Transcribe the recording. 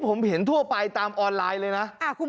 ผมเห็นทั่วไปตามออนไลน์เลยนะ